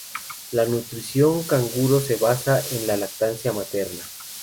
La nutrición canguro se basa en la lactancia materna.